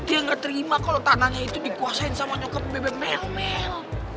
dia nggak terima kalau tanahnya itu dikuasain sama nyokap bebek mel